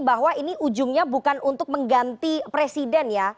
bahwa ini ujungnya bukan untuk mengganti presiden ya